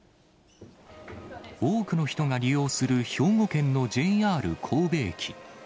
多くの人が利用する兵庫県のＪＲ神戸駅。